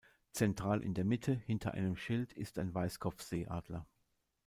Zentral in der Mitte, hinter einem Schild, ist ein Weißkopfseeadler.